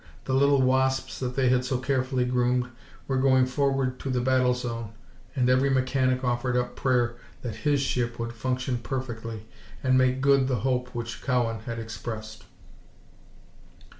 The little wasps that they had so carefully groomed were going forward to the battle zone, and every mechanic offered up prayer that his ship would function perfectly and make good the hope which Cowan had expressed.